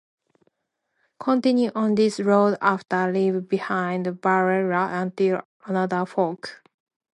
Continue on this road after leave behind Barruera until another fork.